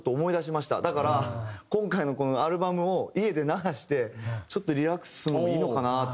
だから今回のアルバムを家で流してちょっとリラックスするのもいいのかなって。